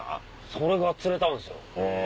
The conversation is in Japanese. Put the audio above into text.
それが釣れたんすよ！